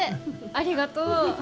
ありがとう。